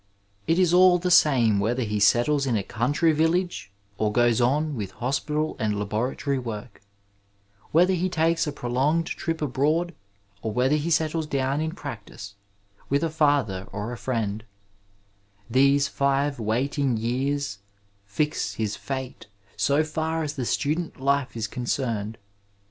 It is all the same whether he settles in a country village or goes on with hospital and laboratory work ; whether he takes a prolonged trip abroad ; or whether he settles down in practice, with a father or a friend — ^these five waiting years fix his fate so far as the student life is con cerned.